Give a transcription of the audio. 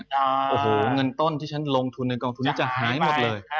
โอ้โหเงินต้นที่ฉันลงทุนในกองทุนนี้จะหายหมดเลย